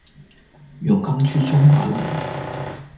永康區中華路